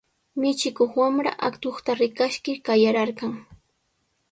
Michikuq wamra atuqta rikaskir qayararqan.